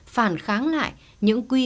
phản kháng lại những quy kết